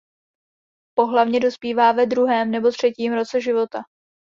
Pohlavně dospívá ve druhém nebo třetím roce života.